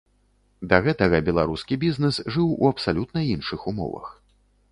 Да гэтага беларускі бізнэс жыў у абсалютна іншых умовах.